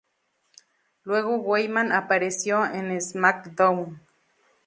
Luego Heyman apareció en "SmackDown!